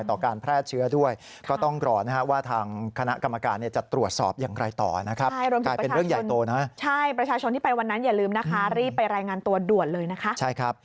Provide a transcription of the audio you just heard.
อย่าลืมนะคะรีบไปรายงานตัวด่วนเลยนะคะ